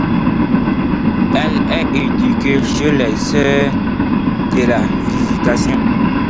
Elle est éduquée chez les sœurs de la Visitation.